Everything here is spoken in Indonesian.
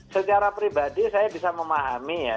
secara pribadi saya bisa memahami ya